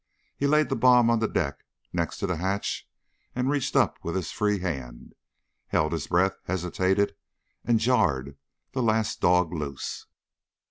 He laid the bomb on the deck next to the hatch and reached up with his free hand, held his breath, hesitated, and jarred the last dog loose.